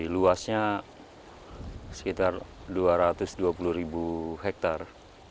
luasnya sekitar dua ratus dua puluh ribu hektare